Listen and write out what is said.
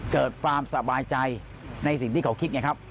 เกิดความสบายใจในสิ่งที่เขาคิดไงครับ